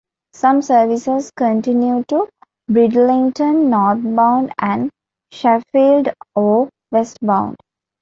Some services continue to Bridlington northbound and Sheffield or westbound.